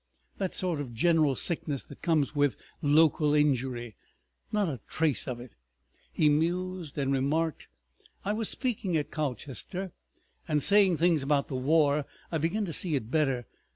That sort of general sickness that comes with local injury—not a trace of it! ..." He mused and remarked, "I was speaking at Colchester, and saying things about the war. I begin to see it better.